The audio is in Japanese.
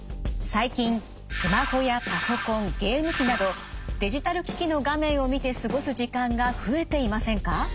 最近スマホやパソコンゲーム機などデジタル機器の画面を見て過ごす時間が増えていませんか？